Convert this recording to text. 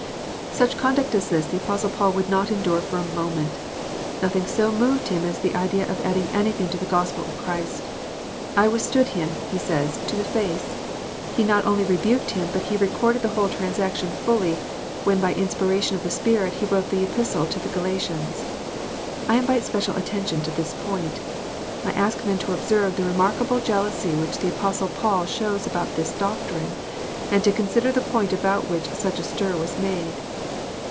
Such conduct as this the Apostle Paul would not endure for a moment. Nothing so moved him as the idea of adding any thing to the Gospel of Christ. " I withstood him," he says, " to the face." He not only rebuked him, but he recorded the whole transaction fully, when by inspiration of the Spirit he wrote the Epistle to the Galatians. I invite special attention to this point. I ask men to observe the remarkable jealousy which the Apostle Paul shows about this doctrine, and to consider the point about which such a stir was made.